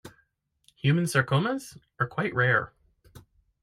Human sarcomas are quite rare.